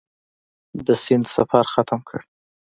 د سیند سفر ختم کړ.